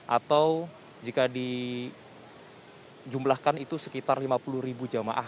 atau jika dijumlahkan itu sekitar lima puluh ribu jamaah